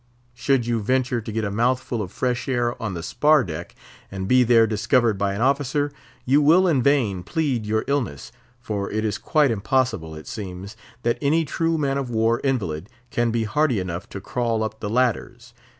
Should you venture to get a mouthful of fresh air on the spar deck, and be there discovered by an officer, you will in vain plead your illness; for it is quite impossible, it seems, that any true man of war invalid can be hearty enough to crawl up the ladders.